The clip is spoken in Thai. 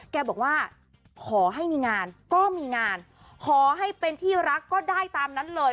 แกบอกว่าขอให้มีงานก็มีงานขอให้เป็นที่รักก็ได้ตามนั้นเลย